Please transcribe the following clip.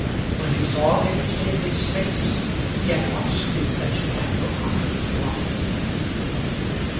When he saw Lady Staveley's face he at once knew that she had no comfort to offer to him.